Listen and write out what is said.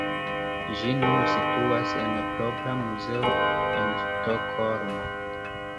Ĝi nun situas en propra muzeo en Stokholmo.